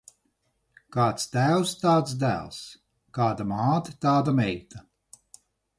Kāds tēvs, tāds dēls; kāda māte, tāda meita.